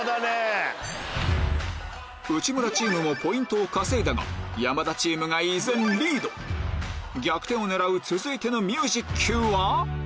内村チームもポイントを稼いだが山田チームが依然リード逆転を狙う続いてのミュージッＱは？